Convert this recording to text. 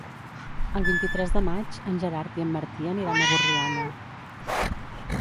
El vint-i-tres de maig en Gerard i en Martí aniran a Borriana.